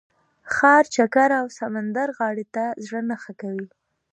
ښار چکر او سمندرغاړې ته زړه نه ښه کوي.